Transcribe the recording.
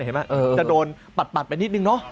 เห็นไหมจะโดนปัดไปนิดนึงเนอะ